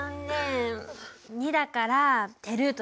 ２だから手ルートだね。